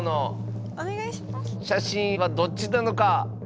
写真はどっちなのか。